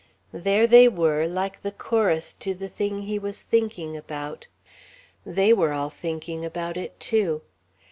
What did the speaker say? There they were, like the chorus to the thing he was thinking about. They were all thinking about it, too.